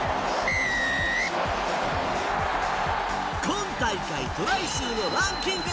今大会、トライ数のランキング